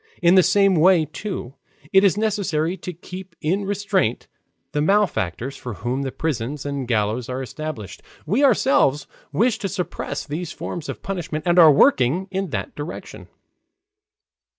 In the same way, too, it is necessary to keep in restraint the malefactors for whom the prisons and gallows are established. We ourselves wish to suppress these forms of punishment and are working in that direction."